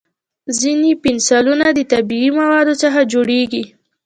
ځینې پنسلونه د طبیعي موادو څخه جوړېږي.